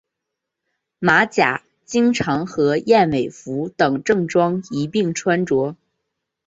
马甲经常和燕尾服等正装一并穿着。